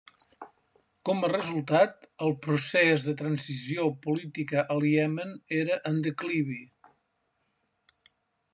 Com a resultat, el procés de transició política al Iemen era en declivi.